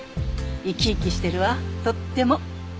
生き生きしてるわとっても。